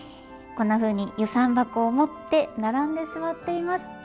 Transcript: こんなふうに遊山箱を持って並んで座っています。